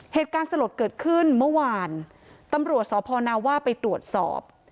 เหตุการณ์สลดเกิดขึ้นเมื่อวานตำรวจสพนาว่าไปตรวจสอบ